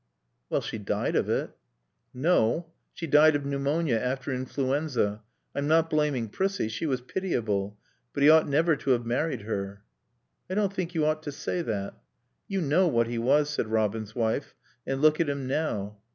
"Well, she died of it." "No. She died of pneumonia after influenza. I'm not blaming Prissie. She was pitiable. But he ought never to have married her." "I don't think you ought to say that." "You know what he was," said Robin's wife. "And look at him now."